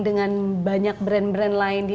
dengan banyak brand brand lain di